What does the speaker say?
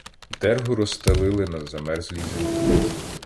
Дергу розстелили на замерзлій землі.